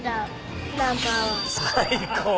最高。